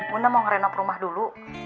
bunda mau ngerenop rumah dulu